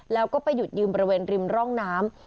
แล้วก็ไปหยุดยืมบริเวณริมร่องน้ำ